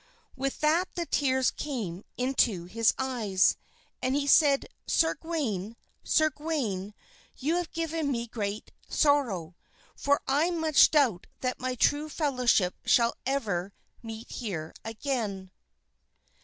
With that the tears came into his eyes, and he said, "Sir Gawain, Sir Gawain, you have given me great sorrow, for I much doubt that my true fellowship shall ever meet here again."